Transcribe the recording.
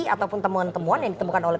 ataupun temuan temuan yang ditemukan oleh